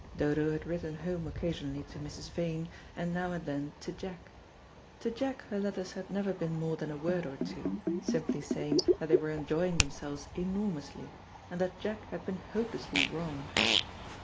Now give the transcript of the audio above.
Dodo had written home occasionally to Mrs. Vane, and now and then to Jack. To Jack her letters had never been more than a word or two, simply saying that they were enjoying themselves enormously, and that Jack had been hopelessly wrong.